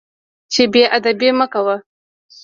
چې بې ادبي مه کوه.